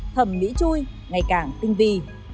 thẩm mỹ chui ngày càng tinh vi